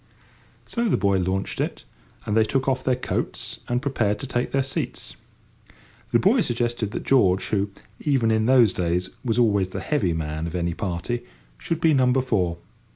So the boy launched it, and they took off their coats and prepared to take their seats. The boy suggested that George, who, even in those days, was always the heavy man of any party, should be number four.